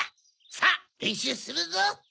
さぁれんしゅうするぞ！